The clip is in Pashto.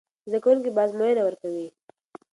زده کوونکي به ازموینه ورکوي.